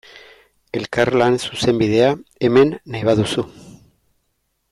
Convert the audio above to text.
Elkarlan zuzenbidea, hemen, nahi baduzu.